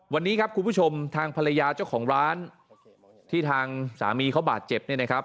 วันนี้ครับคุณผู้ชมทางภรรยาเจ้าของร้านที่ทางสามีเขาบาดเจ็บเนี่ยนะครับ